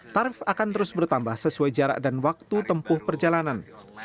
tarif akan terus bertambah sesuai jarak dan waktu tempuh perjalanan